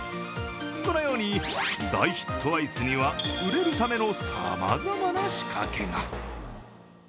このように大ヒットアイスには売れるためのさまざまな仕掛けが。